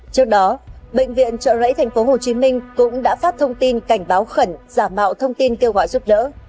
trước đó bệnh viện trợ rẫy tp hcm cũng đã phát thông tin cảnh báo khẩn giả mạo thông tin kêu gọi giúp đỡ